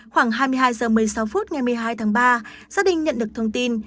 khoảng hai mươi hai h một mươi sáu phút ngày một mươi hai tháng ba gia đình nhận được thông tin